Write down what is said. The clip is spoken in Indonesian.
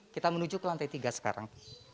kita menuju ke lantai tiga sekarang